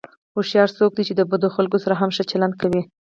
هوښیار څوک دی چې د بدو خلکو سره هم ښه چلند کوي.